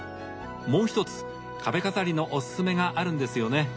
もう一つ壁飾りのおすすめがあるんですよね